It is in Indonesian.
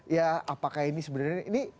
ya apakah ini sebenarnya